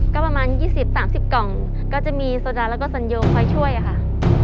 ก็ประมาณยี่สิบสามสิบกล่องก็จะมีโซดาแล้วก็สนโยคคอยช่วยอ่ะค่ะ